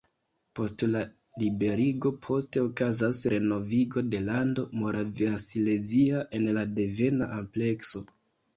Post la liberigo poste okazas renovigo de Lando Moraviasilezia en la devena amplekso.